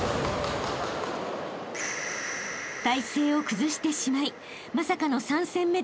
［体勢を崩してしまいまさかの］